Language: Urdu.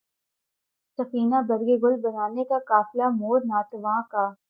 سفینۂ برگ گل بنا لے گا قافلہ مور ناتواں کا